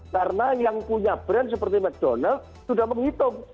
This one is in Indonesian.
karena yang punya brand seperti mcdonald sudah menghitung